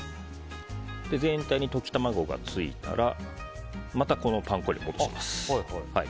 全体に溶き卵がついたらまた、パン粉に戻します。